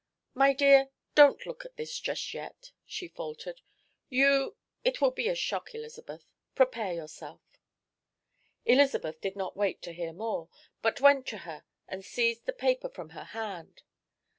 "My dear, don't look at this yet," she faltered. "You it will be a shock, Elizabeth. Prepare yourself." Elizabeth did not wait to hear more, but went to her and seized the paper from her hand.